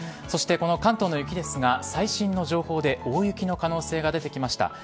そして関東の雪ですが最新の情報で大雪の可能性が出てきました。